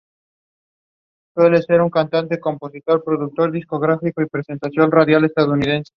En este tramo realiza prácticamente la segunda mitad de su curso.